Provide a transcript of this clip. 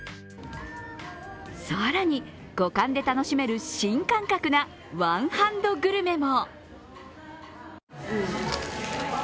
更に、五感で楽しめる新感覚なワンハンドグルメも。